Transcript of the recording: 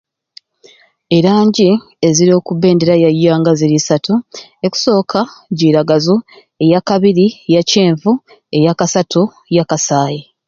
Eranji eziri okubendera yaiyanga ziri isaatu, ekusoka jiragazu, eyakabiri yakyenvu, eyakasaatu yakasayi.